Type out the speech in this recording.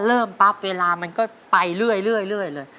เริ่มปั๊บเวลามันก็ไปเรื่อยเลย